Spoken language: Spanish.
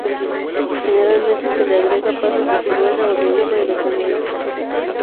Generalmente se le agrega pasas de ciruela o de uva y canela.